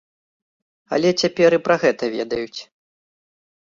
Але цяпер і пра гэта ведаюць.